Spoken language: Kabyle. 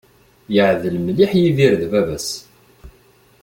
Yeεdel mliḥ Yidir d baba-s.